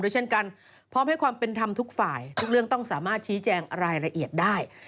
เช่นกันพร้อมให้ความเป็นธรรมทุกฝ่ายทุกเรื่องต้องสามารถชี้แจงรายละเอียดได้